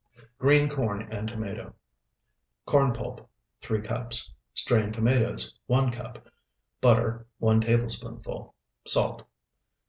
GREEN CORN AND TOMATO Corn pulp, 3 cups. Strained tomatoes, 1 cup. Butter, 1 tablespoonful. Salt.